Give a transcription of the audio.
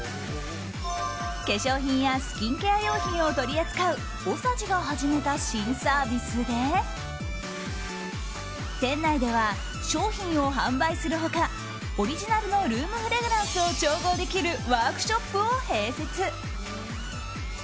化粧品やスキンケア用品を取り扱うＯＳＡＪＩが始めた新サービスで店内では、商品を販売する他オリジナルのルームフレグランスを調合できるワークショップを併設。